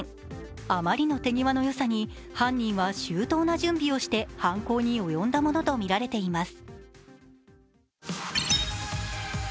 あまりの手際のよさに犯人は周到な準備をして犯行に及んだものとみられています。